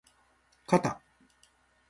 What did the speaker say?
かた